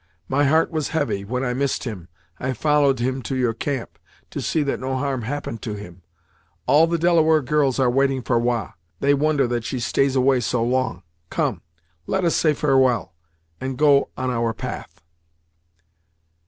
My heart was heavy, when I missed him; I followed him to your camp, to see that no harm happened to him. All the Delaware girls are waiting for Wah; they wonder that she stays away so long. Come, let us say farewell, and go on our path."